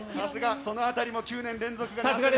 その辺りも９年連続で。